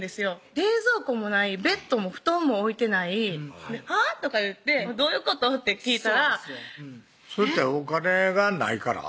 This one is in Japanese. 冷蔵庫もないベッドも布団も置いてない「はぁ？」とか言って「どういうこと？」って聞いたらそれってお金がないから？